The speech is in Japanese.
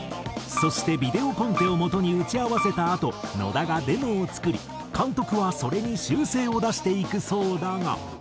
そしてビデオコンテをもとに打ち合わせたあと野田がデモを作り監督はそれに修正を出していくそうだが。